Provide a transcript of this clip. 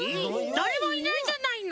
だれもいないじゃないの。